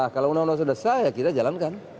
kalau undang undang sudah sah ya kita jalankan